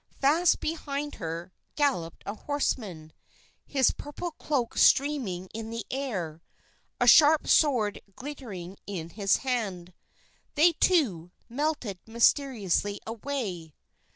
Fast behind her, galloped a horseman, his purple cloak streaming in the still air, a sharp sword glittering in his hand. They, too, melted mysteriously away.